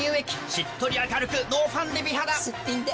しっとり明るくノーファンデ美肌すっぴんで。